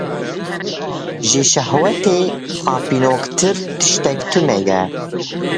Ji şehwetê xapînoktir tiştek tune ye.